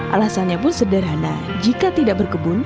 alasannya pun sederhana jika tidak berkebun